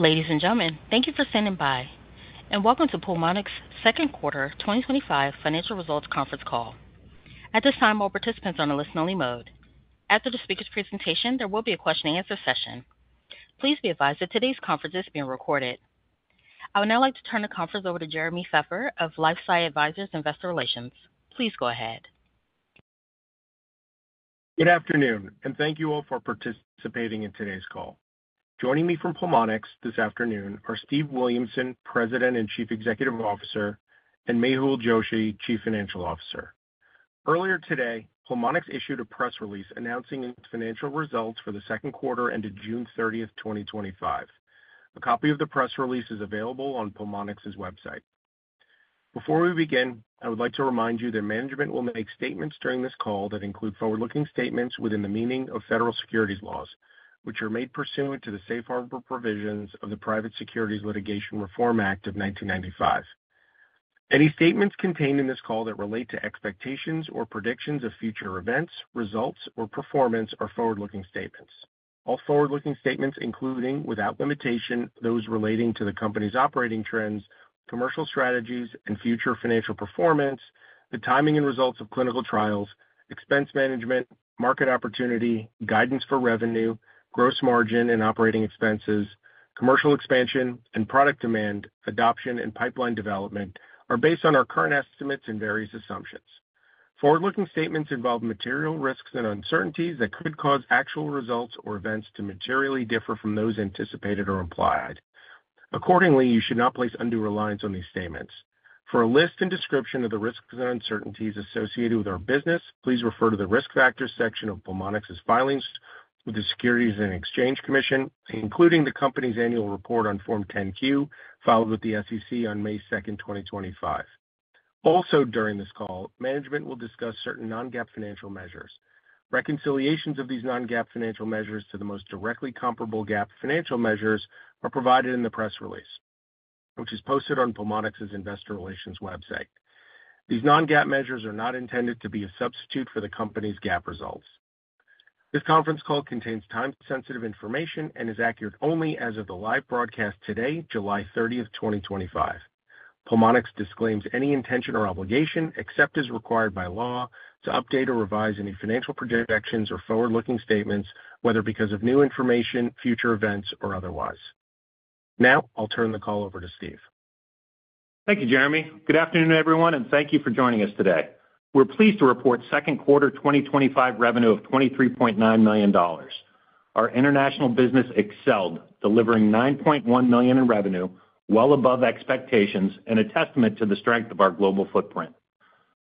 Ladies and gentlemen, thank you for standing by and welcome to Pulmonx's second quarter 2025 financial results conference call. At this time, all participants are in a listen-only mode. After the speaker's presentation, there will be a question-and-answer session. Please be advised that today's conference is being recorded. I would now like to turn the conference over to Jeremy Feffer of LifeSci Advisors Investor Relations. Please go ahead. Good afternoon, and thank you all for participating in today's call. Joining me from Pulmonx this afternoon are Steve Williamson, President and Chief Executive Officer, and Mehul Joshi, Chief Financial Officer. Earlier today, Pulmonx issued a press release announcing its financial results for the second quarter ended June 30th, 2025. A copy of the press release is available on Pulmonx's website. Before we begin, I would like to remind you that management will make statements during this call that include forward-looking statements within the meaning of federal securities laws, which are made pursuant to the safe harbor provisions of the Private Securities Litigation Reform Act of 1995. Any statements contained in this call that relate to expectations or predictions of future events, results, or performance are forward-looking statements. All forward-looking statements, including, without limitation, those relating to the company's operating trends, commercial strategies, and future financial performance, the timing and results of clinical trials, expense management, market opportunity, guidance for revenue, gross margin, and operating expenses, commercial expansion, and product demand, adoption, and pipeline development are based on our current estimates and various assumptions. Forward-looking statements involve material risks and uncertainties that could cause actual results or events to materially differ from those anticipated or implied. Accordingly, you should not place undue reliance on these statements. For a list and description of the risks and uncertainties associated with our business, please refer to the risk factors section of Pulmonx's filings with the Securities and Exchange Commission, including the company's annual report on Form 10-Q filed with the SEC on May 2nd, 2025. Also, during this call, management will discuss certain non-GAAP financial measures. Reconciliations of these non-GAAP financial measures to the most directly comparable GAAP financial measures are provided in the press release, which is posted on Pulmonx's Investor Relations website. These non-GAAP measures are not intended to be a substitute for the company's GAAP results. This conference call contains time-sensitive information and is accurate only as of the live broadcast today, July 30th, 2025. Pulmonx disclaims any intention or obligation, except as required by law, to update or revise any financial projections or forward-looking statements, whether because of new information, future events, or otherwise. Now, I'll turn the call over to Steve. Thank you, Jeremy. Good afternoon, everyone, and thank you for joining us today. We're pleased to report second quarter 2025 revenue of $23.9 million. Our international business excelled, delivering $9.1 million in revenue, well above expectations and a testament to the strength of our global footprint.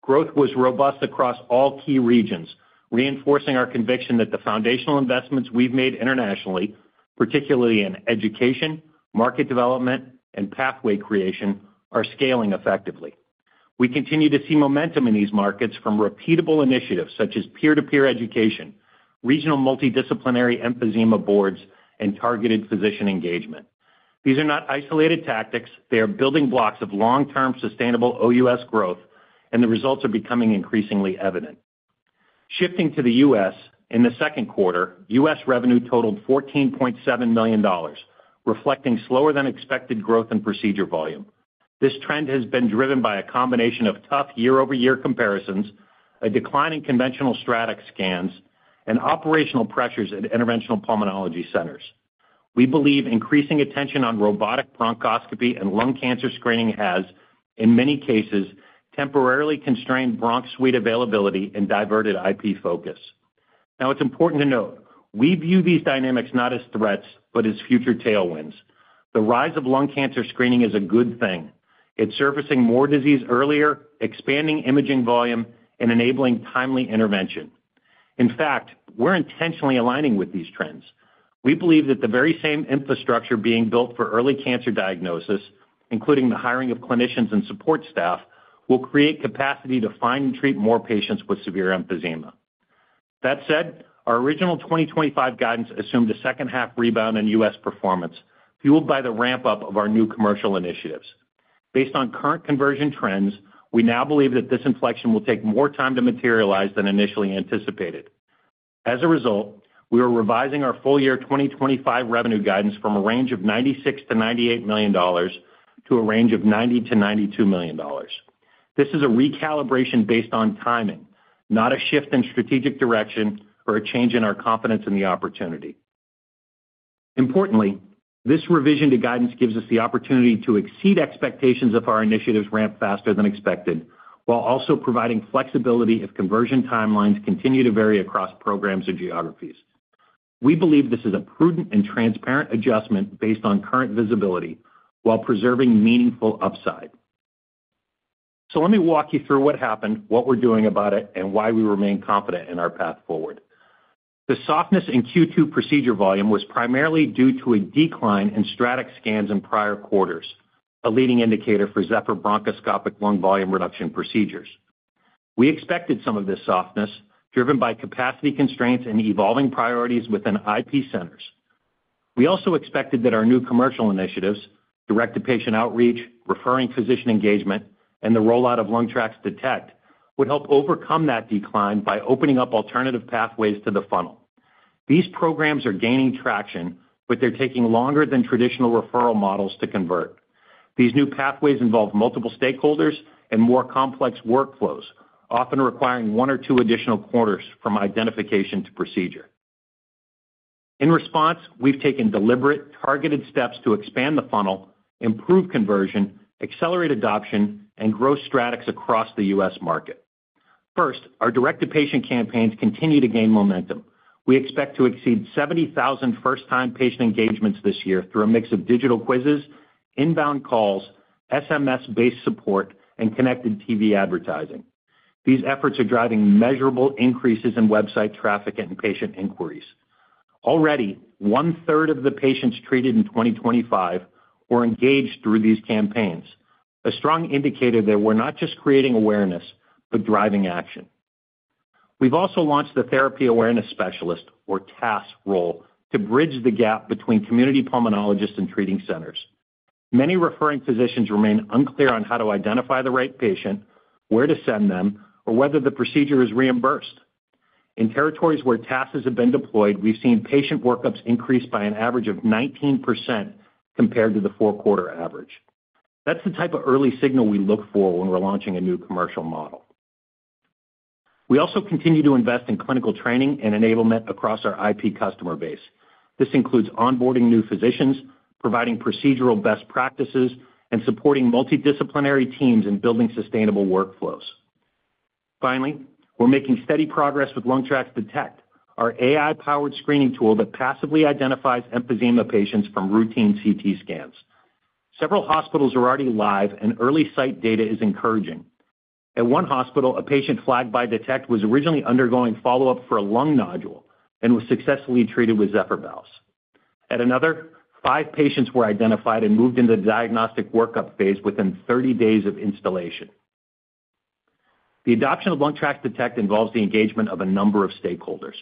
Growth was robust across all key regions, reinforcing our conviction that the foundational investments we've made internationally, particularly in education, market development, and pathway creation, are scaling effectively. We continue to see momentum in these markets from repeatable initiatives such as peer-to-peer education, regional multidisciplinary emphysema boards, and targeted physician engagement. These are not isolated tactics, they are building blocks of long-term sustainable OUS growth, and the results are becoming increasingly evident. Shifting to the U.S., in the second quarter, U.S. revenue totaled $14.7 million, reflecting slower-than-expected growth in procedure volume. This trend has been driven by a combination of tough year-over-year comparisons, a decline in conventional StratX® Lung Analysis Report scans, and operational pressures at interventional pulmonology centers. We believe increasing attention on robotic bronchoscopy and lung cancer screening has, in many cases, temporarily constrained bronch suite availability and diverted IP focus. Now, it's important to note we view these dynamics not as threats, but as future tailwinds. The rise of lung cancer screening is a good thing. It's surfacing more disease earlier, expanding imaging volume, and enabling timely intervention. In fact, we're intentionally aligning with these trends. We believe that the very same infrastructure being built for early cancer diagnosis, including the hiring of clinicians and support staff, will create capacity to find and treat more patients with severe emphysema. That said, our original 2025 guidance assumed a second-half rebound in U.S. performance, fueled by the ramp-up of our new commercial initiatives. Based on current conversion trends, we now believe that this inflection will take more time to materialize than initially anticipated. As a result, we are revising our full-year 2025 revenue guidance from a range of $96-$98 million to a range of $90$92 million. This is a recalibration based on timing, not a shift in strategic direction or a change in our confidence in the opportunity. Importantly, this revision to guidance gives us the opportunity to exceed expectations if our initiatives ramp faster than expected, while also providing flexibility if conversion timelines continue to vary across programs or geographies. We believe this is a prudent and transparent adjustment based on current visibility while preserving meaningful upside. Let me walk you through what happened, what we're doing about it, and why we remain confident in our path forward. The softness in Q2 procedure volume was primarily due to a decline in StratX® Lung Analysis Report scans in prior quarters, a leading indicator for Zephyr® Endobronchial Valve bronchoscopic lung volume reduction procedures. We expected some of this softness, driven by capacity constraints and evolving priorities within interventional pulmonology centers. We also expected that our new commercial initiatives, direct-to-patient outreach, referring physician engagement, and the rollout of LungTraX™ Platform, would help overcome that decline by opening up alternative pathways to the funnel. These programs are gaining traction, but they're taking longer than traditional referral models to convert. These new pathways involve multiple stakeholders and more complex workflows, often requiring one or two additional quarters from identification to procedure. In response, we've taken deliberate, targeted steps to expand the funnel, improve conversion, accelerate adoption, and grow StratX® Lung Analysis Report scans across the U.S. market. First, our direct-to-patient campaigns continue to gain momentum. We expect to exceed 70,000 first-time patient engagements this year through a mix of digital quizzes, inbound calls, SMS-based support, and connected TV advertising. These efforts are driving measurable increases in website traffic and patient inquiries. Already, one-third of the patients treated in 2025 were engaged through these campaigns, a strong indicator that we're not just creating awareness, but driving action. We've also launched the Therapy Awareness Specialist, or TASS, role to bridge the gap between community pulmonologists and treating centers. Many referring physicians remain unclear on how to identify the right patient, where to send them, or whether the procedure is reimbursed. In territories where TASSes have been deployed, we've seen patient workups increase by an average of 19% compared to the four-quarter average. That's the type of early signal we look for when we're launching a new commercial model. We also continue to invest in clinical training and enablement across our IP customer base. This includes onboarding new physicians, providing procedural best practices, and supporting multidisciplinary teams in building sustainable workflows. Finally, we're making steady progress with LungTraX™ Platform, our AI-powered screening tool that passively identifies emphysema patients from routine CT scans. Several hospitals are already live, and early site data is encouraging. At one hospital, a patient flagged by LungTraX™ Platform was originally undergoing follow-up for a lung nodule and was successfully treated with Zephyr® Endobronchial Valve. At another, five patients were identified and moved into the diagnostic workup phase within 30 days of installation. The adoption of LungTraX™ Platform involves the engagement of a number of stakeholders,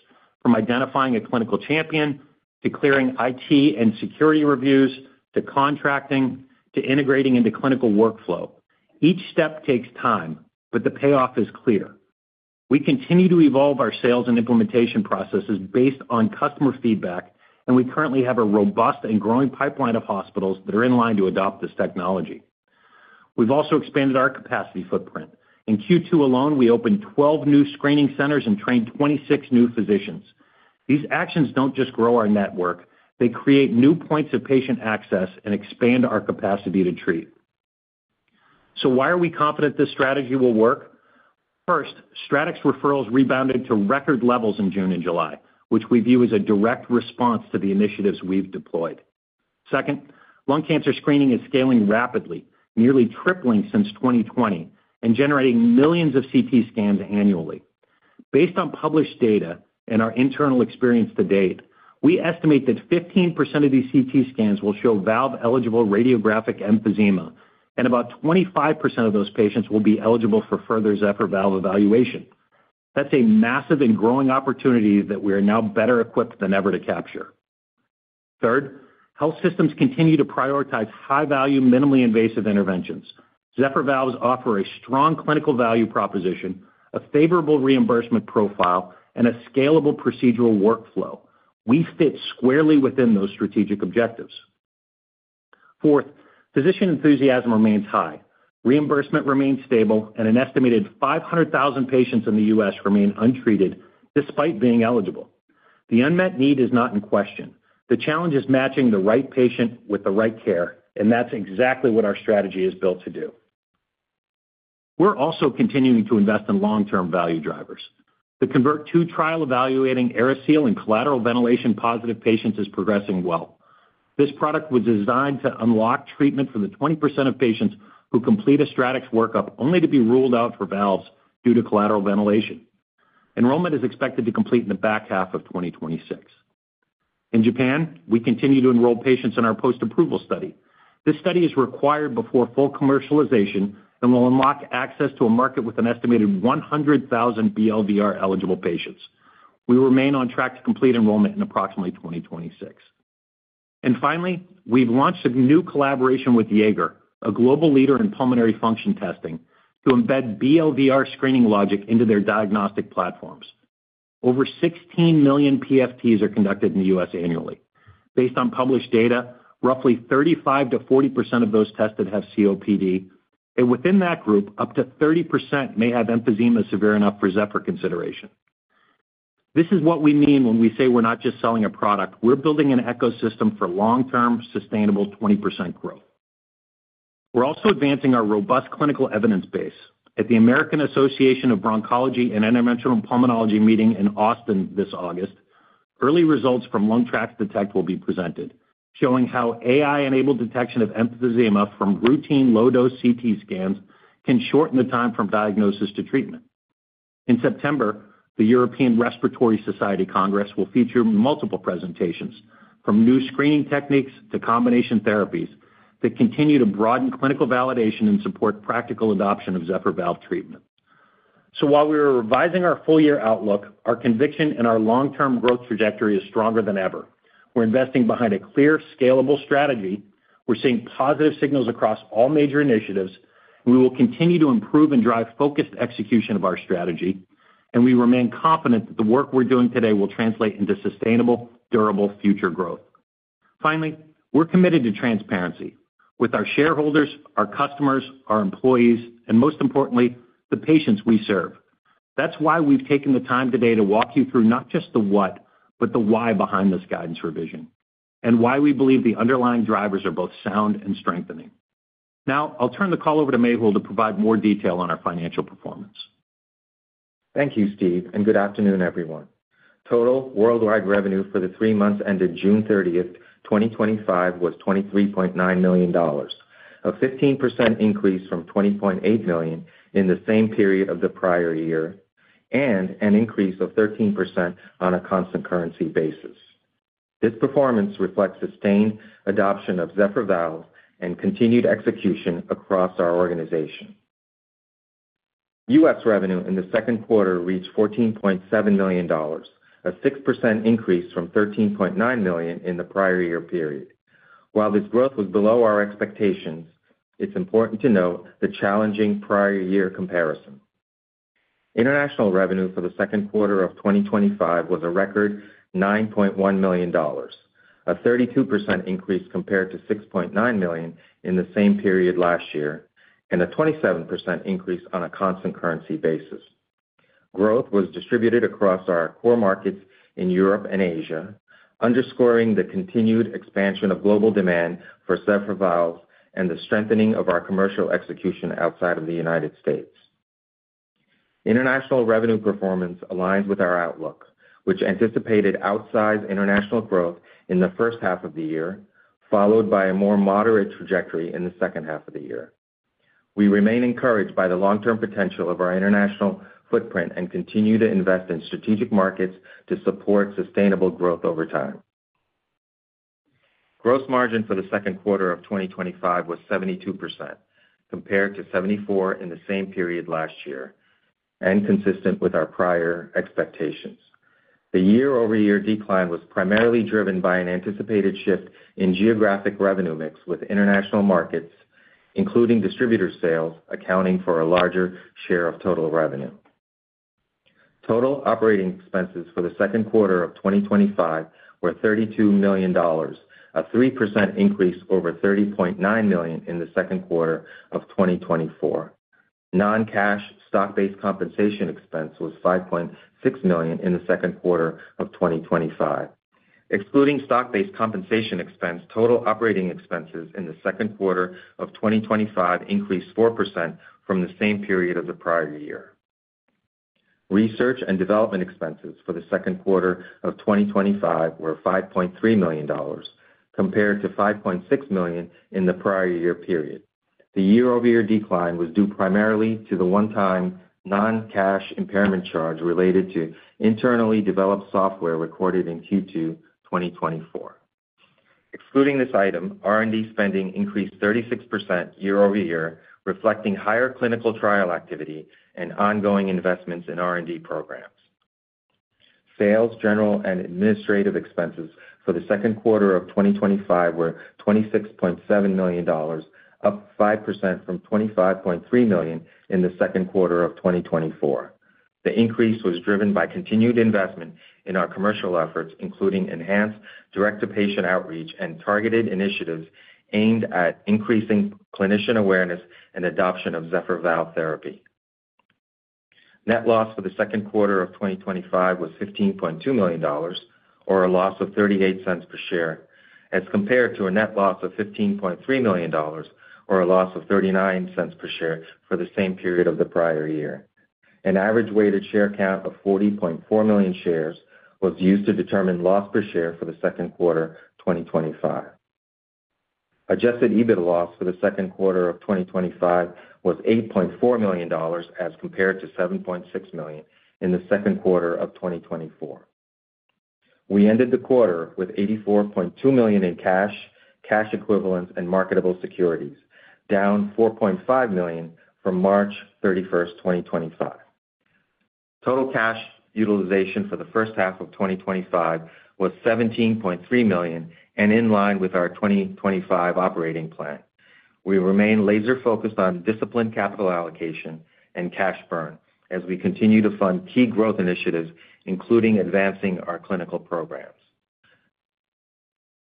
from identifying a clinical champion, to clearing IT and security reviews, to contracting, to integrating into clinical workflow. Each step takes time, but the payoff is clear. We continue to evolve our sales and implementation processes based on customer feedback, and we currently have a robust and growing pipeline of hospitals that are in line to adopt this technology. We've also expanded our capacity footprint. In Q2 alone, we opened 12 new screening centers and trained 26 new physicians. These actions don't just grow our network, they create new points of patient access and expand our capacity to treat. Why are we confident this strategy will work? First, StratX® Lung Analysis Report referrals rebounded to record levels in June and July, which we view as a direct response to the initiatives we've deployed. Second, lung cancer screening is scaling rapidly, nearly tripling since 2020, and generating millions of CT scans annually. Based on published data and our internal experience to date, we estimate that 15% of these CT scans will show valve-eligible radiographic emphysema, and about 25% of those patients will be eligible for further Zephyr® Endobronchial Valve evaluation. That's a massive and growing opportunity that we are now better equipped than ever to capture. Third, health systems continue to prioritize high-value, minimally invasive interventions. Zephyr® valves offer a strong clinical value proposition, a favorable reimbursement profile, and a scalable procedural workflow. We fit squarely within those strategic objectives. Physician enthusiasm remains high. Reimbursement remains stable, and an estimated 500,000 patients in the U.S. remain untreated despite being eligible. The unmet need is not in question. The challenge is matching the right patient with the right care, and that's exactly what our strategy is built to do. We're also continuing to invest in long-term value drivers. The Convert II trial evaluating aerosol and collateral ventilation positive patients is progressing well. This product was designed to unlock treatment for the 20% of patients who complete a StratX® Lung Analysis Report workup only to be ruled out for valves due to collateral ventilation. Enrollment is expected to complete in the back half of 2026. In Japan, we continue to enroll patients in our post-approval study. This study is required before full commercialization and will unlock access to a market with an estimated 100,000 BLVR eligible patients. We remain on track to complete enrollment in approximately 2026. We've launched a new collaboration with Jaeger, a global leader in pulmonary function testing, to embed BLVR screening logic into their diagnostic platforms. Over 16 million PFTs are conducted in the U.S. annually. Based on published data, roughly 35% to 40% of those tested have COPD, and within that group, up to 30% may have emphysema severe enough for Zephyr® consideration. This is what we mean when we say we're not just selling a product; we're building an ecosystem for long-term, sustainable 20% growth. We're also advancing our robust clinical evidence base. At the American Association of Bronchology and Interventional Pulmonology meeting in Austin this August, early results from LungTraX™ Platform (LungTraxDetect) will be presented, showing how AI-enabled detection of emphysema from routine low-dose CT scans can shorten the time from diagnosis to treatment. In September, the European Respiratory Society Congress will feature multiple presentations, from new screening techniques to combination therapies, that continue to broaden clinical validation and support practical adoption of Zephyr® valve treatment. While we are revising our full-year outlook, our conviction in our long-term growth trajectory is stronger than ever. We're investing behind a clear, scalable strategy. We're seeing positive signals across all major initiatives. We will continue to improve and drive focused execution of our strategy, and we remain confident that the work we're doing today will translate into sustainable, durable future growth. Finally, we're committed to transparency with our shareholders, our customers, our employees, and most importantly, the patients we serve. That's why we've taken the time today to walk you through not just the what, but the why behind this guidance revision and why we believe the underlying drivers are both sound and strengthening. Now, I'll turn the call over to Mehul Joshi to provide more detail on our financial performance. Thank you, Steve, and good afternoon, everyone. Total worldwide revenue for the three months ended June 30th, 2025 was $23.9 million, a 15% increase from $20.8 million in the same period of the prior year, and an increase of 13% on a constant currency basis. This performance reflects sustained adoption of Zephyr® Endobronchial Valve and continued execution across our organization. U.S. revenue in the second quarter reached $14.7 million, a 6% increase from $13.9 million in the prior year period. While this growth was below our expectations, it's important to note the challenging prior year comparison. International revenue for the second quarter of 2025 was a record $9.1 million, a 32% increase compared to $6.9 million in the same period last year, and a 27% increase on a constant currency basis. Growth was distributed across our core markets in Europe and Asia, underscoring the continued expansion of global demand for Zephyr® Endobronchial Valve and the strengthening of our commercial execution outside of the United States. International revenue performance aligned with our outlook, which anticipated outsized international growth in the first half of the year, followed by a more moderate trajectory in the second half of the year. We remain encouraged by the long-term potential of our international footprint and continue to invest in strategic markets to support sustainable growth over time. Gross margin for the second quarter of 2025 was 72%, compared to 74% in the same period last year, and consistent with our prior expectations. The year-over-year decline was primarily driven by an anticipated shift in geographic revenue mix with international markets, including distributor sales, accounting for a larger share of total revenue. Total operating expenses for the second quarter of 2025 were $32 million, a 3% increase over $30.9 million in the second quarter of 2024. Non-cash stock-based compensation expense was $5.6 million in the second quarter of 2025. Excluding stock-based compensation expense, total operating expenses in the second quarter of 2025 increased 4% from the same period of the prior year. Research and development expenses for the second quarter of 2025 were $5.3 million, compared to $5.6 million in the prior year period. The year-over-year decline was due primarily to the one-time non-cash impairment charge related to internally developed software recorded in Q2 2024. Excluding this item, R&D spending increased 36% year-over-year, reflecting higher clinical trial activity and ongoing investments in R&D programs. Sales, general, and administrative expenses for the second quarter of 2025 were $26.7 million, up 5% from $25.3 million in the second quarter of 2024. The increase was driven by continued investment in our commercial efforts, including enhanced direct-to-patient outreach and targeted initiatives aimed at increasing clinician awareness and adoption of Zephyr® Endobronchial Valve therapy. Net loss for the second quarter of 2025 was $15.2 million, or a loss of $0.38 per share, as compared to a net loss of $15.3 million, or a loss of $0.39 per share for the same period of the prior year. An average weighted share count of 40.4 million shares was used to determine loss per share for the second quarter of 2025. Adjusted EBIT loss for the second quarter of 2025 was $8.4 million, as compared to $7.6 million in the second quarter of 2024. We ended the quarter with $84.2 million in cash, cash equivalents, and marketable securities, down $4.5 million from March 31st, 2025. Total cash utilization for the first half of 2025 was $17.3 million, and in line with our 2025 operating plan. We remain laser-focused on disciplined capital allocation and cash burn, as we continue to fund key growth initiatives, including advancing our clinical programs.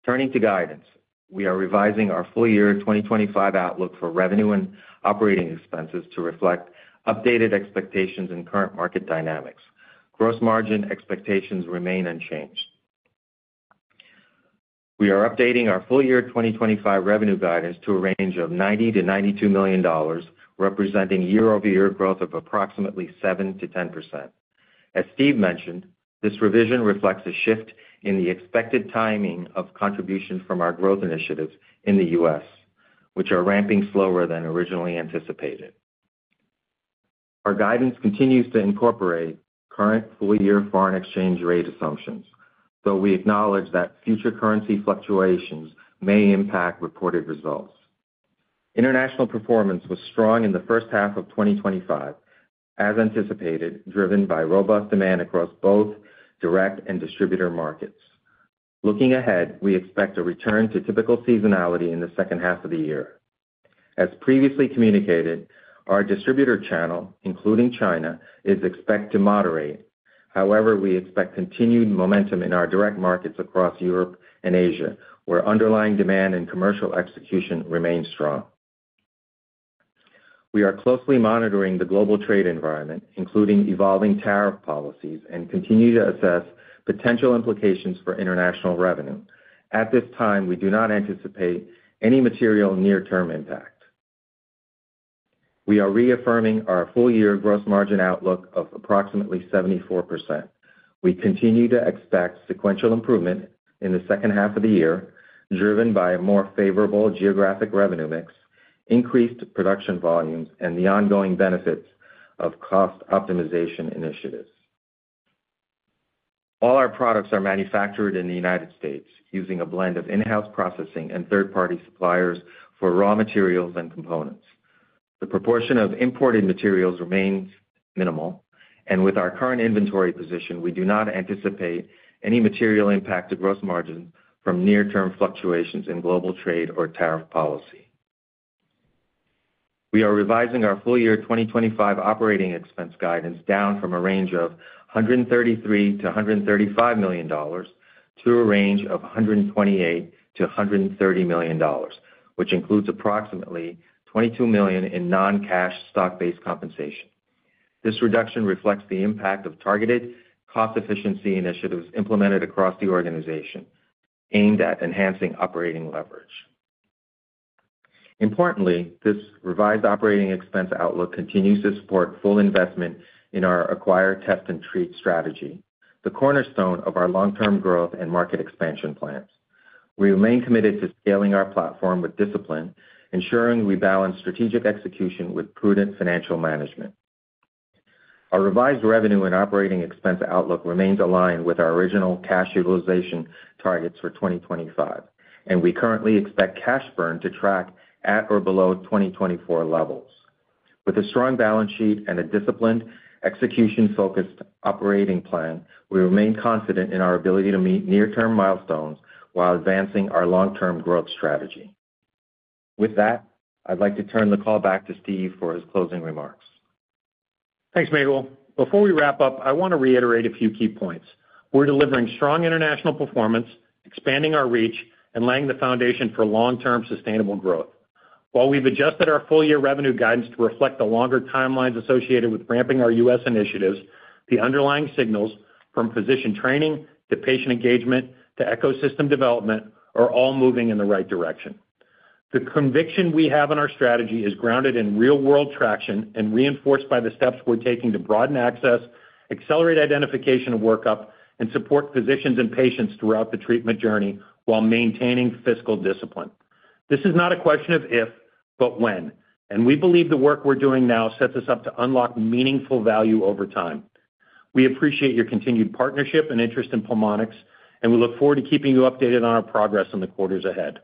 Turning to guidance, we are revising our full-year 2025 outlook for revenue and operating expenses to reflect updated expectations and current market dynamics. Gross margin expectations remain unchanged. We are updating our full-year 2025 revenue guidance to a range of $90-$92 million, representing year-over-year growth of approximately 7%-10%. As Steve Williamson mentioned, this revision reflects a shift in the expected timing of contributions from our growth initiatives in the U.S., which are ramping slower than originally anticipated. Our guidance continues to incorporate current full-year foreign exchange rate assumptions, though we acknowledge that future currency fluctuations may impact reported results. International performance was strong in the first half of 2025, as anticipated, driven by robust demand across both direct and distributor markets. Looking ahead, we expect a return to typical seasonality in the second half of the year. As previously communicated, our distributor channel, including China, is expected to moderate. However, we expect continued momentum in our direct markets across Europe and Asia, where underlying demand and commercial execution remain strong. We are closely monitoring the global trade environment, including evolving tariff policies, and continue to assess potential implications for international revenue. At this time, we do not anticipate any material near-term impact. We are reaffirming our full-year gross margin outlook of approximately 74%. We continue to expect sequential improvement in the second half of the year, driven by a more favorable geographic revenue mix, increased production volumes, and the ongoing benefits of cost optimization initiatives. All our products are manufactured in the United States, using a blend of in-house processing and third-party suppliers for raw materials and components. The proportion of imported materials remains minimal, and with our current inventory position, we do not anticipate any material impact to gross margin from near-term fluctuations in global trade or tariff policy. We are revising our full-year 2025 operating expense guidance down from a range of $133 million-$135 million to a range of $128 million-$130 million, which includes approximately $22 million in non-cash stock-based compensation. This reduction reflects the impact of targeted cost efficiency initiatives implemented across the organization, aimed at enhancing operating leverage. Importantly, this revised operating expense outlook continues to support full investment in our acquired test and treat strategy, the cornerstone of our long-term growth and market expansion plans. We remain committed to scaling our platform with discipline, ensuring we balance strategic execution with prudent financial management. Our revised revenue and operating expense outlook remains aligned with our original cash utilization targets for 2025, and we currently expect cash burn to track at or below 2024 levels. With a strong balance sheet and a disciplined, execution-focused operating plan, we remain confident in our ability to meet near-term milestones while advancing our long-term growth strategy. With that, I'd like to turn the call back to Steve for his closing remarks. Thanks, Mehul. Before we wrap up, I want to reiterate a few key points. We're delivering strong international performance, expanding our reach, and laying the foundation for long-term sustainable growth. While we've adjusted our full-year revenue guidance to reflect the longer timelines associated with ramping our U.S. initiatives, the underlying signals, from physician training to patient engagement to ecosystem development, are all moving in the right direction. The conviction we have in our strategy is grounded in real-world traction and reinforced by the steps we're taking to broaden access, accelerate identification of workup, and support physicians and patients throughout the treatment journey while maintaining fiscal discipline. This is not a question of if, but when, and we believe the work we're doing now sets us up to unlock meaningful value over time. We appreciate your continued partnership and interest in Pulmonx, and we look forward to keeping you updated on our progress in the quarters ahead.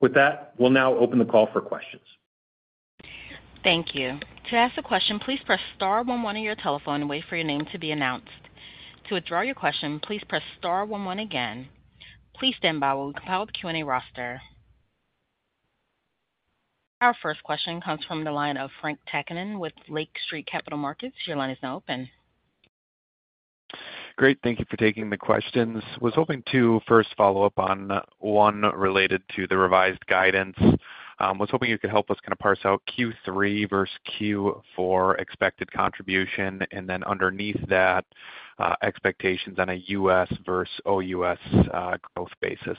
With that, we'll now open the call for questions. Thank you. To ask a question, please press star one-one on your telephone and wait for your name to be announced. To withdraw your question, please press star one-one again. Please stand by while we compile the Q&A roster. Our first question comes from the line of Frank Takkinen with Lake Street Capital Markets. Your line is now open. Great. Thank you for taking the questions. I was hoping to first follow up on one related to the revised guidance. I was hoping you could help us kind of parse out Q3 versus Q4 expected contribution, and then underneath that, expectations on a U.S. versus OUS growth basis.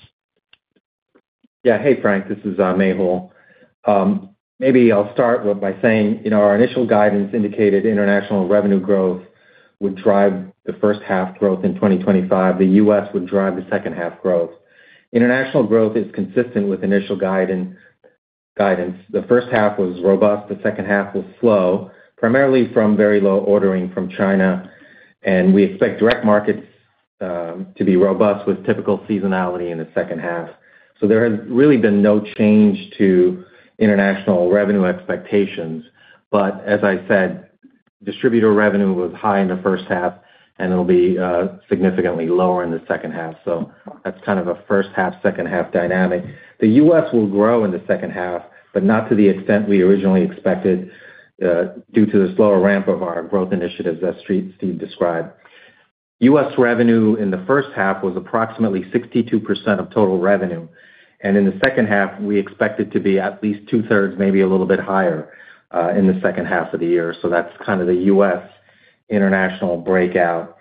Yeah. Hey, Frank. This is Mehul. Maybe I'll start by saying, you know, our initial guidance indicated international revenue growth would drive the first half growth in 2025. The U.S. would drive the second half growth. International growth is consistent with initial guidance. The first half was robust. The second half was slow, primarily from very low ordering from China, and we expect direct markets to be robust with typical seasonality in the second half. There has really been no change to international revenue expectations, but as I said, distributor revenue was high in the first half, and it'll be significantly lower in the second half. That's kind of a first half, second half dynamic. The U.S. will grow in the second half, but not to the extent we originally expected due to the slower ramp of our growth initiatives as Steve described. U.S. revenue in the first half was approximately 62% of total revenue, and in the second half, we expect it to be at least two-thirds, maybe a little bit higher in the second half of the year. That's kind of the U.S. international breakout.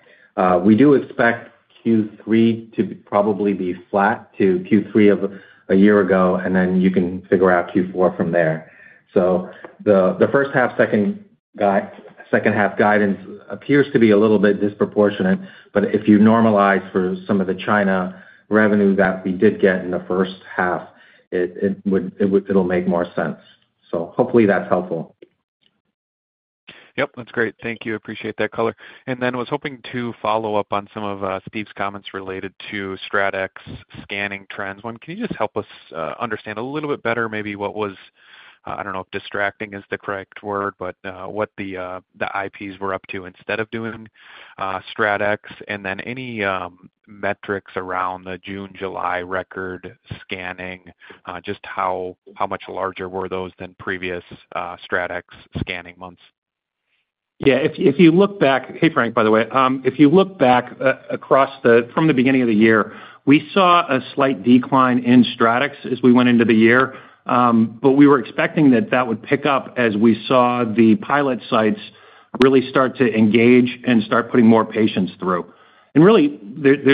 We do expect Q3 to probably be flat to Q3 of a year ago, and then you can figure out Q4 from there. The first half, second half guidance appears to be a little bit disproportionate, but if you normalize for some of the China revenue that we did get in the first half, it'll make more sense. Hopefully, that's helpful. Yep. That's great. Thank you. I appreciate that color. I was hoping to follow up on some of Steve's comments related to StratX® scanning trends. One, can you just help us understand a little bit better maybe what was, I don't know if distracting is the correct word, but what the IPs were up to instead of doing StratX® scans? Any metrics around the June-July record scanning, just how much larger were those than previous StratX® scanning months? Yeah. If you look back, hey, Frank, by the way, if you look back across from the beginning of the year, we saw a slight decline in StratX® Lung Analysis Reports as we went into the year, but we were expecting that that would pick up as we saw the pilot sites really start to engage and start putting more patients through. There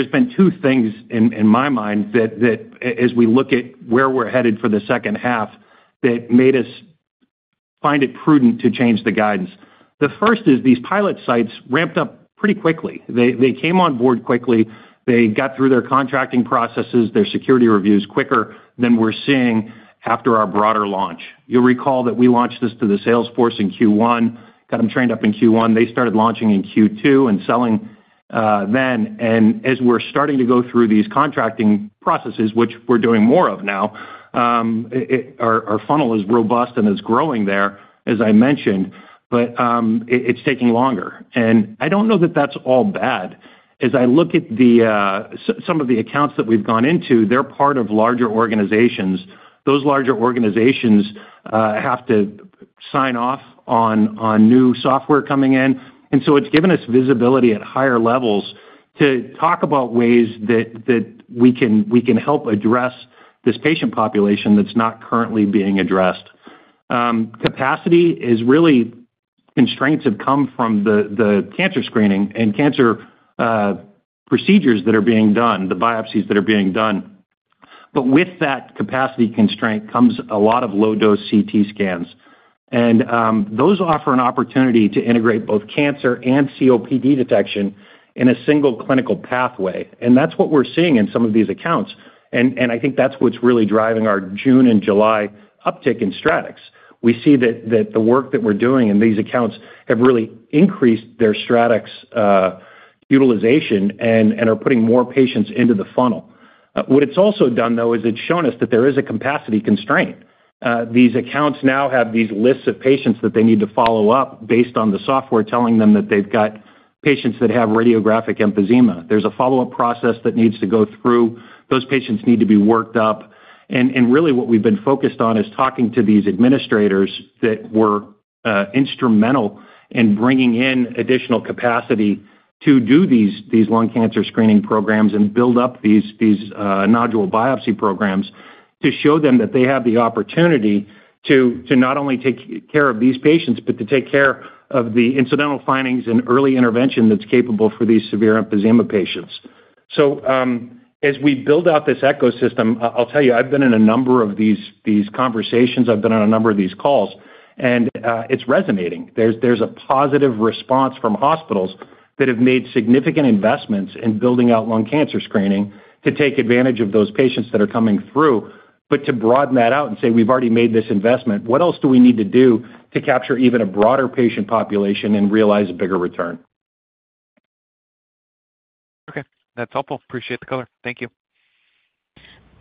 have been two things in my mind that, as we look at where we're headed for the second half, made us find it prudent to change the guidance. The first is these pilot sites ramped up pretty quickly. They came on board quickly. They got through their contracting processes, their security reviews quicker than we're seeing after our broader launch. You'll recall that we launched this to the salesforce in Q1, got them trained up in Q1. They started launching in Q2 and selling then. As we're starting to go through these contracting processes, which we're doing more of now, our funnel is robust and is growing there, as I mentioned, but it's taking longer. I don't know that that's all bad. As I look at some of the accounts that we've gone into, they're part of larger organizations. Those larger organizations have to sign off on new software coming in. It's given us visibility at higher levels to talk about ways that we can help address this patient population that's not currently being addressed. Capacity constraints have come from the cancer screening and cancer procedures that are being done, the biopsies that are being done. With that capacity constraint comes a lot of low-dose CT scans. Those offer an opportunity to integrate both cancer and COPD detection in a single clinical pathway. That's what we're seeing in some of these accounts. I think that's what's really driving our June and July uptick in StratX® Lung Analysis Reports. We see that the work that we're doing in these accounts has really increased their StratX® Lung Analysis Report utilization and is putting more patients into the funnel. What it's also done, though, is it's shown us that there is a capacity constraint. These accounts now have these lists of patients that they need to follow up based on the software telling them that they've got patients that have radiographic emphysema. There's a follow-up process that needs to go through. Those patients need to be worked up. What we've been focused on is talking to these administrators that were instrumental in bringing in additional capacity to do these lung cancer screening programs and build up these nodule biopsy programs to show them that they have the opportunity to not only take care of these patients, but to take care of the incidental findings and early intervention that's capable for these severe emphysema patients. As we build out this ecosystem, I'll tell you, I've been in a number of these conversations. I've been on a number of these calls, and it's resonating. There's a positive response from hospitals that have made significant investments in building out lung cancer screening to take advantage of those patients that are coming through, but to broaden that out and say, "We've already made this investment. What else do we need to do to capture even a broader patient population and realize a bigger return? Okay. That's helpful. Appreciate the color. Thank you.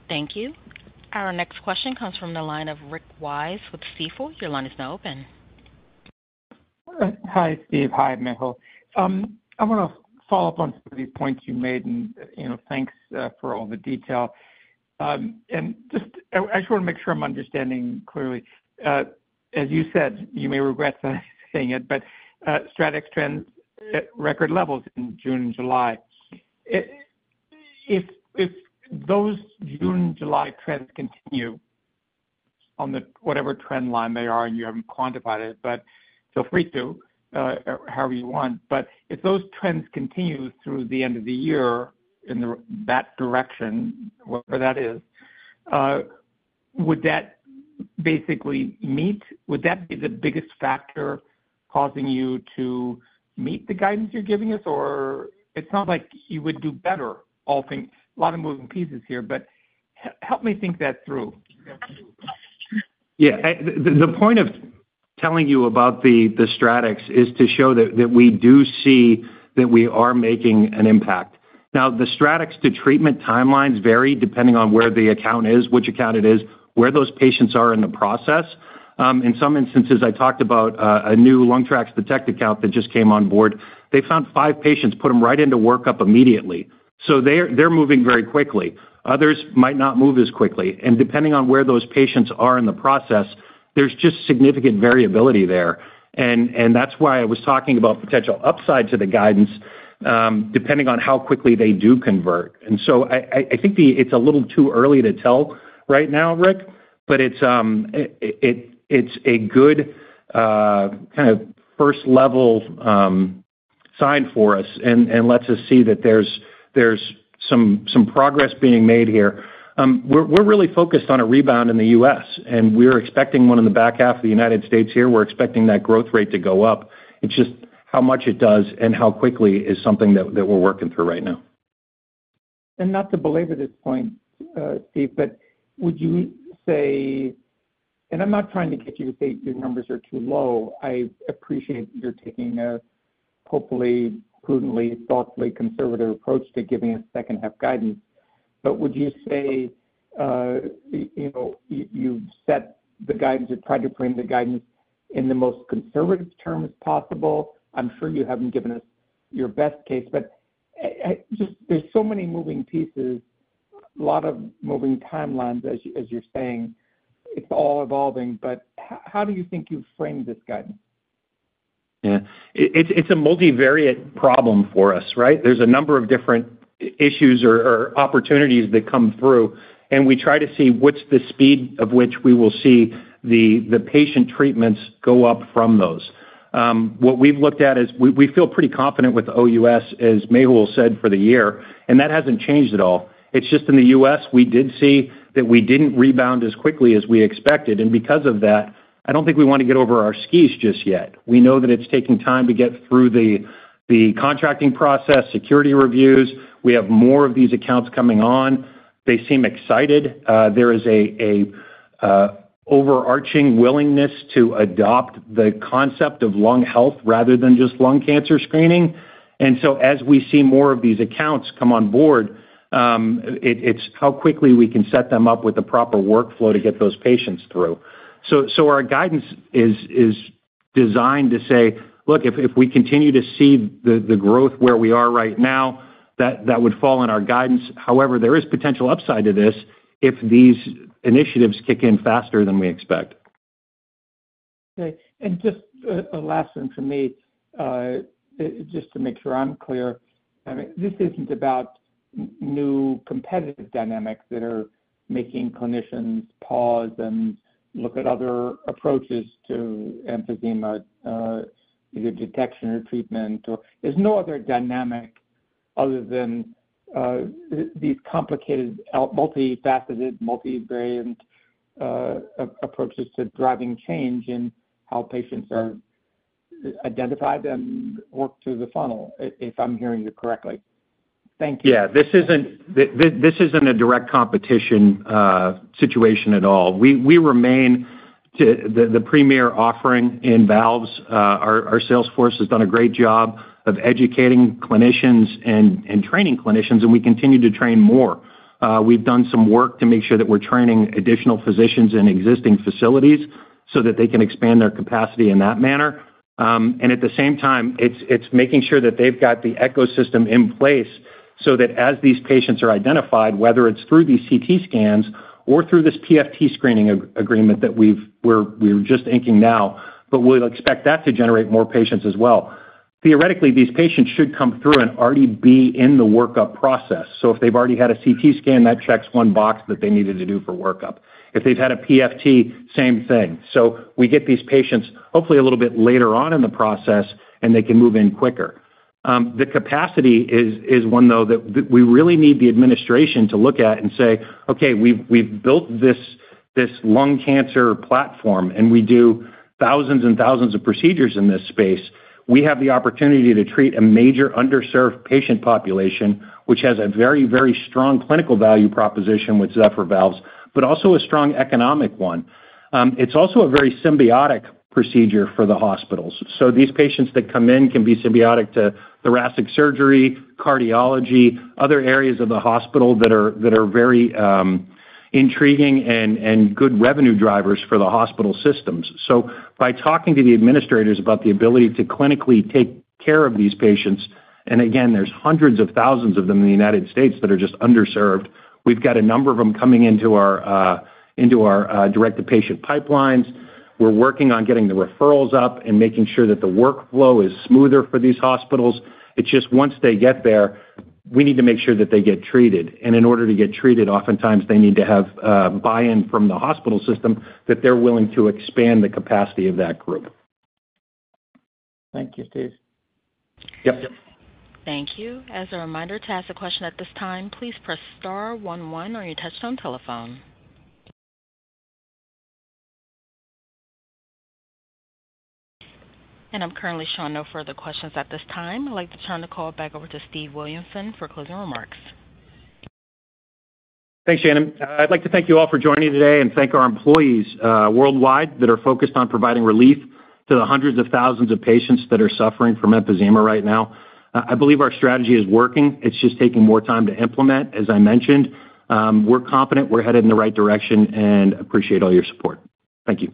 Thank you. Our next question comes from the line of Rick Wise with Stifel. Your line is now open. Hi, Steve. Hi, Mehul. I want to follow up on some of these points you made, and thanks for all the detail. I just want to make sure I'm understanding clearly. As you said, you may regret saying it, but StratX® Lung Analysis Report trends at record levels in June and July. If those June-July trends continue, on whatever trend line they are, and you haven't quantified it, but feel free to however you want. If those trends continue through the end of the year in that direction, whatever that is, would that basically meet? Would that be the biggest factor causing you to meet the guidance you're giving us? It sounds like you would do better, all things. A lot of moving pieces here, but help me think that through. Yeah. The point of telling you about the StratX® Lung Analysis Reports is to show that we do see that we are making an impact. Now, the StratX® Lung Analysis Reports to treatment timelines vary depending on where the account is, which account it is, where those patients are in the process. In some instances, I talked about a new LungTraX™ Platform account that just came on board. They found five patients, put them right into workup immediately. They're moving very quickly. Others might not move as quickly. Depending on where those patients are in the process, there's just significant variability there. That's why I was talking about potential upside to the guidance, depending on how quickly they do convert. I think it's a little too early to tell right now, Rick, but it's a good kind of first-level sign for us and lets us see that there's some progress being made here. We're really focused on a rebound in the U.S., and we're expecting one in the back half of the United States here. We're expecting that growth rate to go up. It's just how much it does and how quickly is something that we're working through right now. Not to belabor this point, Steve, would you say, and I'm not trying to get you to say your numbers are too low. I appreciate your taking a hopefully, prudently, thoughtfully conservative approach to giving a second-half guidance. Would you say you've set the guidance or tried to frame the guidance in the most conservative terms possible? I'm sure you haven't given us your best case, but there's so many moving pieces, a lot of moving timelines, as you're saying. It's all evolving, but how do you think you frame this guidance? Yeah. It's a multivariate problem for us, right? There's a number of different issues or opportunities that come through, and we try to see what's the speed of which we will see the patient treatments go up from those. What we've looked at is we feel pretty confident with OUS, as Mehul said, for the year, and that hasn't changed at all. It's just in the U.S., we did see that we didn't rebound as quickly as we expected. Because of that, I don't think we want to get over our skis just yet. We know that it's taking time to get through the contracting process, security reviews. We have more of these accounts coming on. They seem excited. There is an overarching willingness to adopt the concept of lung health rather than just lung cancer screening. As we see more of these accounts come on board, it's how quickly we can set them up with the proper workflow to get those patients through. Our guidance is designed to say, "Look, if we continue to see the growth where we are right now, that would fall in our guidance." However, there is potential upside to this if these initiatives kick in faster than we expect. Okay. Just a last one from me, just to make sure I'm clear. I mean, this isn't about new competitive dynamics that are making clinicians pause and look at other approaches to emphysema, either detection or treatment. There's no other dynamic other than these complicated, multifaceted, multivariant approaches to driving change in how patients are identified and worked through the funnel, if I'm hearing you correctly. Thank you. Yeah. This isn't a direct competition situation at all. We remain the premier offering in valves. Our salesforce has done a great job of educating clinicians and training clinicians, and we continue to train more. We've done some work to make sure that we're training additional physicians in existing facilities so that they can expand their capacity in that manner. At the same time, it's making sure that they've got the ecosystem in place so that as these patients are identified, whether it's through these CT scans or through this PFT screening agreement that we're just inking now, we'll expect that to generate more patients as well. Theoretically, these patients should come through and already be in the workup process. If they've already had a CT scan, that checks one box that they needed to do for workup. If they've had a PFT, same thing. We get these patients hopefully a little bit later on in the process, and they can move in quicker. The capacity is one, though, that we really need the administration to look at and say, "Okay, we've built this lung cancer platform, and we do thousands and thousands of procedures in this space. We have the opportunity to treat a major underserved patient population, which has a very, very strong clinical value proposition with Zephyr® Endobronchial Valves, but also a strong economic one." It's also a very symbiotic procedure for the hospitals. These patients that come in can be symbiotic to thoracic surgery, cardiology, other areas of the hospital that are very intriguing and good revenue drivers for the hospital systems. By talking to the administrators about the ability to clinically take care of these patients, and again, there's hundreds of thousands of them in the United States that are just underserved, we've got a number of them coming into our direct-to-patient pipelines. We're working on getting the referrals up and making sure that the workflow is smoother for these hospitals. Once they get there, we need to make sure that they get treated. In order to get treated, oftentimes they need to have buy-in from the hospital system that they're willing to expand the capacity of that group. Thank you, Steve. Yep. Thank you. As a reminder, to ask a question at this time, please press star one-one on your touch-tone telephone. I'm currently showing no further questions at this time. I'd like to turn the call back over to Steve Williamson for closing remarks. Thanks, Janem. I'd like to thank you all for joining today and thank our employees worldwide that are focused on providing relief to the hundreds of thousands of patients that are suffering from emphysema right now. I believe our strategy is working. It's just taking more time to implement, as I mentioned. We're confident we're headed in the right direction, and I appreciate all your support. Thank you.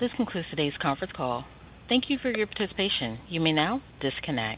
This concludes today's conference call. Thank you for your participation. You may now disconnect.